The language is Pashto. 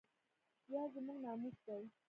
دا زموږ ناموس دی